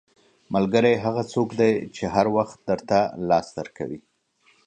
• ملګری هغه څوک دی چې هر وخت درته لاس درکوي.